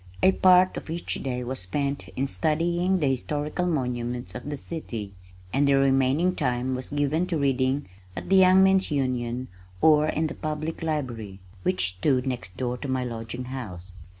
A part of each day was spent in studying the historical monuments of the city, and the remaining time was given to reading at the Young Men's Union or in the Public Library, which stood next door to my lodging house.